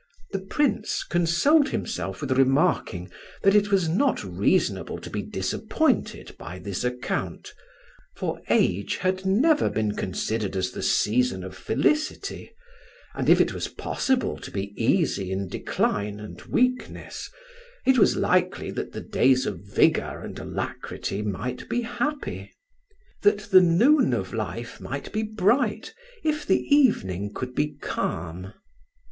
The Prince consoled himself with remarking that it was not reasonable to be disappointed by this account; for age had never been considered as the season of felicity, and if it was possible to be easy in decline and weakness, it was likely that the days of vigour and alacrity might be happy; that the noon of life might be bright, if the evening could be calm.